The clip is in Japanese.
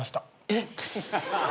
えっ？